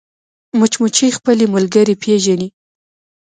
مچمچۍ خپلې ملګرې پېژني